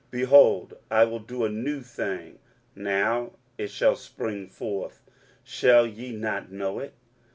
23:043:019 Behold, I will do a new thing; now it shall spring forth; shall ye not know it?